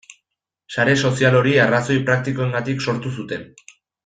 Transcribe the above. Sare sozial hori arrazoi praktikoengatik sortu zuten.